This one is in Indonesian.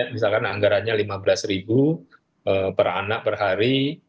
misalkan anggarannya lima belas ribu per anak per hari